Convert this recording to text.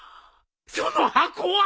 その箱は！？